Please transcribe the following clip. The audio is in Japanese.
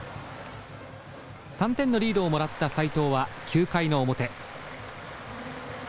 ３点のリードをもらった斎藤は９回の表。